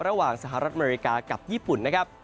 ระหว่างสหรัฐอเมริกากับญี่ปุ่น